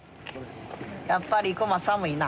やっぱり生駒寒いな。